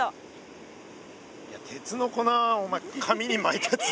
いや鉄の粉お前紙に巻いたやつ